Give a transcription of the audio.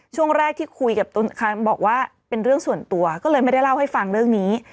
ช่วงแรกที่คุยกับตุ๊นบอกว่าเป็นเรื่องส่วนตัวก็เลยไม่ได้เล่าให้ฟังเรื่องนี้